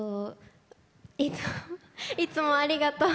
いつもありがとう。